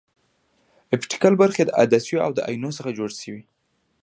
اپټیکل برخې د عدسیو او اینو څخه جوړې شوې.